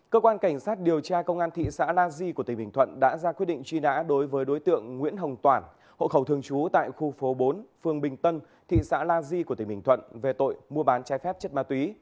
cơ quan cảnh sát điều tra công an thị xã la di của tỉnh bình thuận đã ra quyết định truy nã đối với đối tượng nguyễn hồng toản hộ khẩu thường trú tại khu phố bốn phường bình tân thị xã la di của tỉnh bình thuận về tội mua bán trái phép chất ma túy